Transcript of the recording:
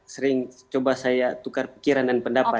sering coba saya tukar pikiran dan pendapat